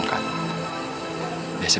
di telepon tidak diangkat